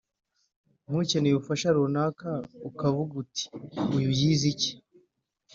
nk’ukeneye ubufasha runaka ukavuga uti uyu yize iki